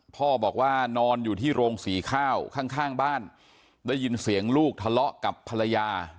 พ่อบอกว่านอนอยู่ที่โรงสีข้าวข้างบ้านได้ยินเสียงลูกทะเลาะกับภรรยา